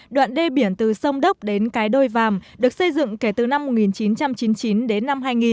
đoạn đê biển từ sông đốc đến cái đôi vàm được xây dựng kể từ năm một nghìn chín trăm chín mươi chín đến năm hai nghìn